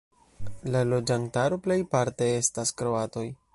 La loĝantaro plejparte estas kroatoj.